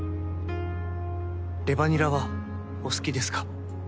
レバにらはお好きですか？